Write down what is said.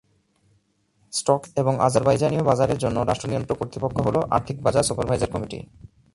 Stock exchange এবং আজারবাইজানীয় বাজারের জন্য রাষ্ট্র নিয়ন্ত্রক কর্তৃপক্ষ হল আর্থিক বাজার সুপারভাইজার কমিটি।